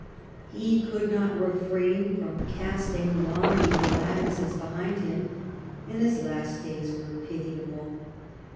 He could not refrain from casting longing glances behind him, and his last days are pitiable.